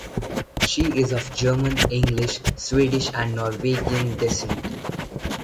She is of German, English, Swedish, and Norwegian descent.